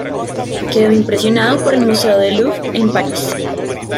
Quedó impresionado por el Museo del Louvre en París.